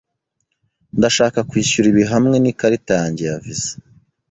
Ndashaka kwishyura ibi hamwe n'ikarita yanjye ya Visa.